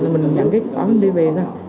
mình nhận cái cỏ mình đi về thôi